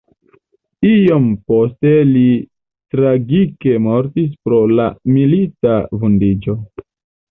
Iom poste li tragike mortis pro la milita vundiĝo.